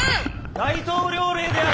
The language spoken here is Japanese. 大統領令である。